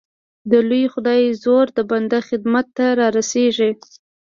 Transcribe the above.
د لوی خدای زور د بنده خدمت ته را رسېږي.